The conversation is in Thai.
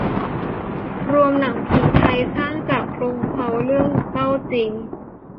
รวมหนังผีไทย สร้างจากเค้าโครงเรื่องเล่าจริง